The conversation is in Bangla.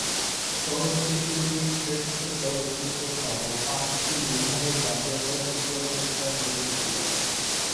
চলচ্চিত্রটি শ্রেষ্ঠ চলচ্চিত্রসহ পাঁচটি বিভাগে জাতীয় চলচ্চিত্র পুরস্কার জিতেছিল।